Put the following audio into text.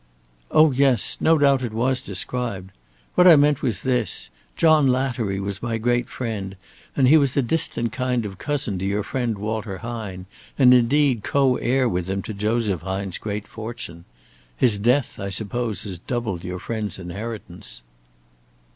'" "Oh, yes. No doubt it was described. What I meant was this. John Lattery was my great friend, and he was a distant kind of cousin to your friend Walter Hine, and indeed co heir with him to Joseph Hine's great fortune. His death, I suppose, has doubled your friend's inheritance."